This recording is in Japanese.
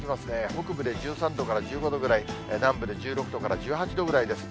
北部で１３度から１５度ぐらい、南部で１６度から１８度ぐらいです。